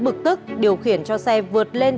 bực tức điều khiển cho xe vượt lên